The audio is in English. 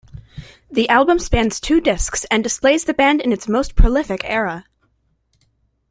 The album spans two discs and displays the band in its most prolific era.